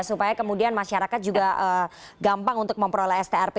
supaya kemudian masyarakat juga gampang untuk memperoleh strp